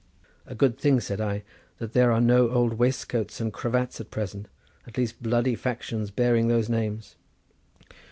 "A good thing," said I, "that there are no Old Waistcoats and Cravats at present, at least bloody factions bearing those names."